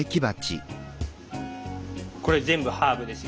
これ全部ハーブです。